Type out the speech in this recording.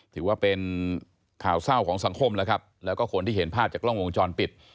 ถือว่าเป็นข่าวเศร้าของสังคมแล้วครับแล้วก็คนที่เห็นภาพจากกล้องวงจรปิด